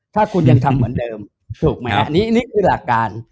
ถ้าคุณยังทำเหมือนเดิมถูกไหมฮะอันนี้คือหลักการ